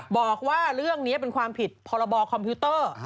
บอกว่าเรื่องนี้เป็นความผิดพรบคอมพิวเตอร์